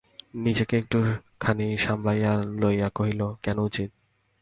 নিজেকে একটুখানি সামলাইয়া লইয়া কহিল, কেন উচিত।